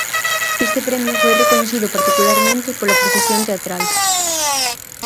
Este premio foi recoñecido particularmente pola profesión teatral.